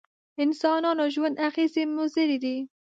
انسانانو ژوند اغېزې مضرې دي.